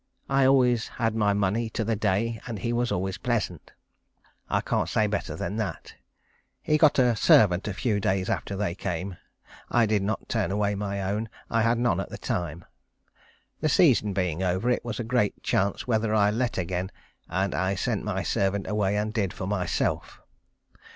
I always had my money to the day, and he was always pleasant. I can't say better than that. He got a servant a few days after they came. I did not turn away my own. I had none at the time. The season being over, it was a great chance whether I let again, and I sent my servant away, and did for myself.